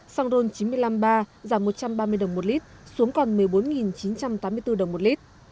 xăng rôn chín mươi năm ba giảm một trăm ba mươi đồng một lit xuống còn một mươi bốn chín trăm tám mươi bốn đồng một lit